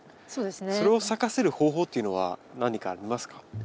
それを咲かせる方法というのは何かありますか？